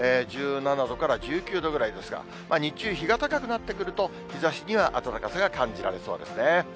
１７度から１９度ぐらいですが、日中、日が高くなってくると、日ざしには暖かさが感じられそうですね。